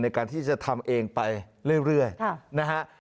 ในการที่จะทำเองไปเรื่อยนะฮะ